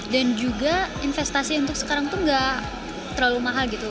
dan juga investasi untuk sekarang itu tidak terlalu mahal gitu